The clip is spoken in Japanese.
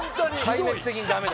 壊滅的にダメだ。